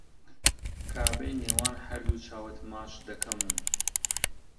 کەعبەی نێوان هەردوو چاوت ماچ دەکەم و